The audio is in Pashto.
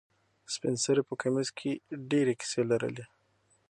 سپین سرې په کمیس کې ډېرې کیسې لرلې.